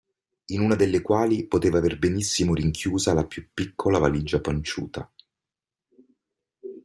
In una delle quali poteva aver benissimo rinchiusa la piú piccola valigia panciuta.